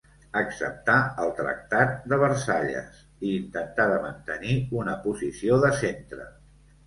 Acceptà el tractat de Versalles i intentà de mantenir una posició de centre.